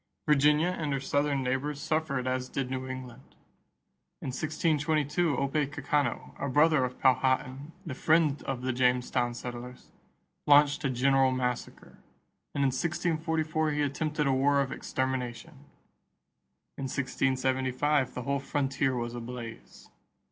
Virginia and her Southern neighbors suffered as did New England. In 1622 Opecacano, a brother of Powhatan, the friend of the Jamestown settlers, launched a general massacre; and in 1644 he attempted a war of extermination. In 1675 the whole frontier was ablaze.